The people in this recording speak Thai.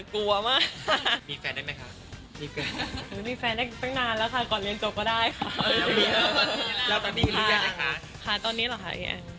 กับพี่เตอร์เลี่ยงแฟนได้ไหมคะ